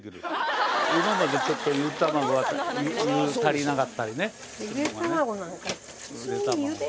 今までちょっとゆで卵は湯足りなかったりね。